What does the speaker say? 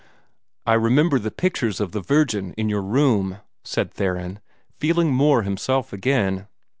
"I remember the pictures of the Virgin in your room," said Theron, feeling more himself again.